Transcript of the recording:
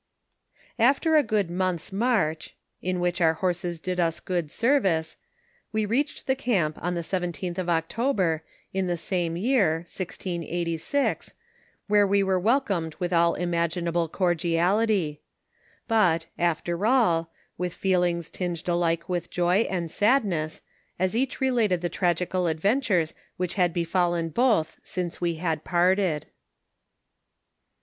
After a good month's march, in which our horses did us good service, we reached the camp on the 17th of October, in the same year, 1686, where we were welcomed with all im aginable cordiality ; but, after all, with feelings tinged alike with joy and sadness, as each related the tragical adventures which had befallen both since we had parted.